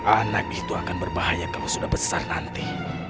anak itu akan berbahaya kalau sudah besar nanti